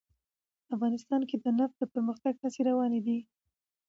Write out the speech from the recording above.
افغانستان کې د نفت د پرمختګ هڅې روانې دي.